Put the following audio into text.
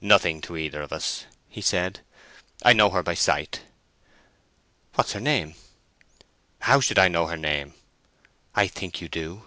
"Nothing to either of us," he said. "I know her by sight." "What is her name?" "How should I know her name?" "I think you do."